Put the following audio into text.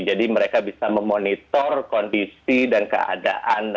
jadi mereka bisa memonitor kondisi dan keadaan